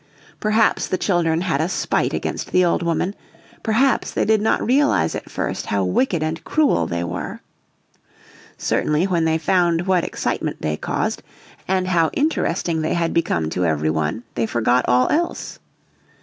Perhaps the children had a spite against the old woman, perhaps they did not realise at first how wicked and cruel they were. Certainly when they found what excitement they caused, and how interesting they had become to every one they forgot all else.